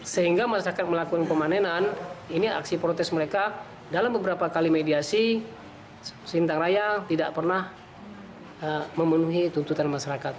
sehingga masyarakat melakukan pemanenan ini aksi protes mereka dalam beberapa kali mediasi sintang raya tidak pernah memenuhi tuntutan masyarakat